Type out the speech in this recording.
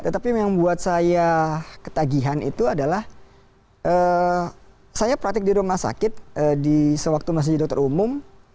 tetapi yang membuat saya ketagihan itu adalah saya praktik di rumah sakit sewaktu masih jadi dokter umum